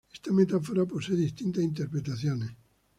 Esta metáfora pose distintas interpretaciones.